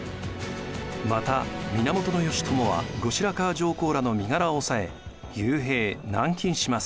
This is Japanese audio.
また源義朝は後白河上皇らの身柄を押さえ幽閉・軟禁します。